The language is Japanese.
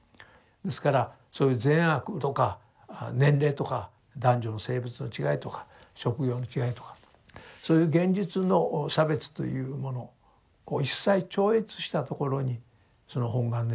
ですからそういう善悪とか年齢とか男女の性別の違いとか職業の違いとかそういう現実の差別というものを一切超越したところにその本願念仏というのは成立していると。